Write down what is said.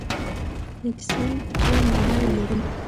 اکسنټ څو ماناوې لري؟